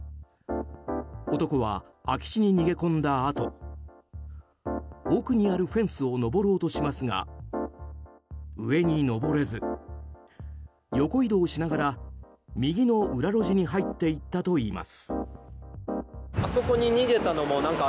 男は空き地に逃げ込んだあと奥にあるフェンスを登ろうとしますが、上に登れず横移動しながら、右の裏路地に入っていったといいます。